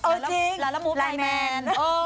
เออจริงแล้วละมูบไลน์แมน